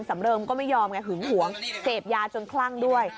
เริงก็ไม่ยอมไงหึงหวงเสพยาจนคลั่งด้วย